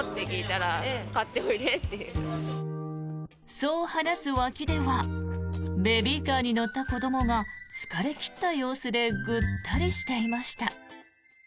そう話す脇ではベビーカーに乗った子どもが疲れ切った様子でぐったりしていました。